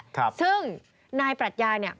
ครับซึ่งนายปรัชญาเนี่ย